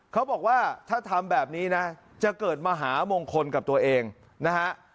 เขาบอกว่าถ้าทำแบบนี้นะจะเกิดมหามงคลกับตัวเองนะฮะ